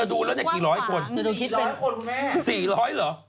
จะดูแล้วเนี่ยกี่ร้อยคนสี่ร้อยเหรอสี่ร้อย